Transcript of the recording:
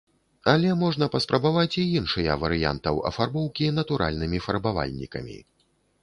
Але можна паспрабаваць і іншыя варыянтаў афарбоўкі натуральнымі фарбавальнікамі.